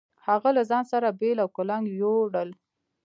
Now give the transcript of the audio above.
هغه له ځان سره بېل او کُلنګ يو وړل.